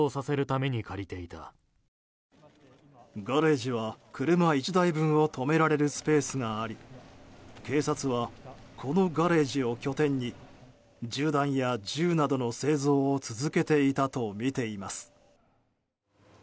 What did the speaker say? ガレージは車１台分を止められるスペースがあり警察は、このガレージを拠点に銃弾や銃などの製造を続けていたとみています。